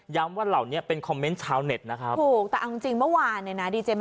ย้ำว่าเหล่านี้เป็นคอมเมนต์ชาวเน็ตนะครับ